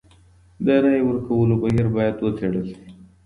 د رايې ورکولو بهير بايد وڅېړل سي.